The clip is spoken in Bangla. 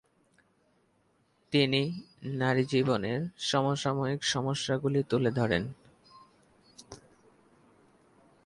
তিনি নারীজীবনের সমসাময়িক সমস্যাগুলি তুলে ধরেন।